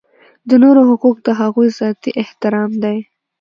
د نورو حقوق د هغوی ذاتي احترام دی.